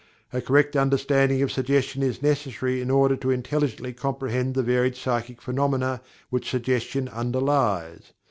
A correct understanding of Suggestion is necessary in order to intelligently comprehend the varied psychical phenomena which Suggestion underlies.